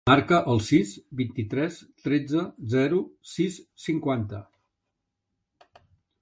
Marca el sis, vint-i-tres, tretze, zero, sis, cinquanta.